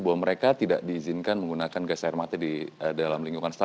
bahwa mereka tidak diizinkan menggunakan gas air mata di dalam lingkungan sekolah